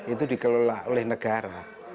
itu dikelola oleh negara